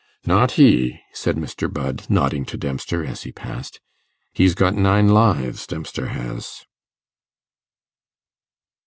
'Not he,' said Mr. Budd, nodding to Dempster as he passed; 'he's got nine lives, Dempster has.